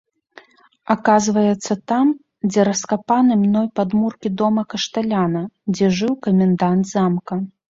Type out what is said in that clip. Аказваецца, там, дзе раскапаны мной падмуркі дома кашталяна, дзе жыў камендант замка.